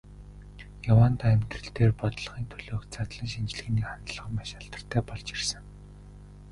Яваандаа амьдрал дээр, бодлогын төлөөх задлан шинжилгээний хандлага маш алдартай болж ирсэн.